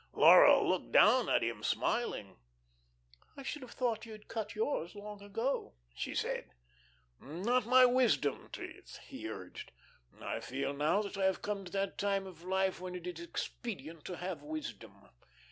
Laura looked down at him, smiling. "I should have thought you had cut yours long ago," she said. "Not my wisdom teeth," he urged. "I feel now that I have come to that time of life when it is expedient to have wisdom."